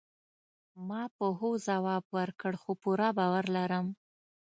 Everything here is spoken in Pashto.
ما په هوځواب ورکړ، چي پوره باور لرم.